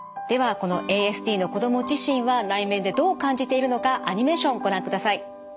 このＡＳＤの子ども自身は内面でどう感じているのかアニメーションをご覧ください。